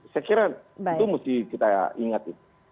saya kira itu mesti kita ingat